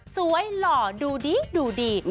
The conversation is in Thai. หล่อดูดีดูดี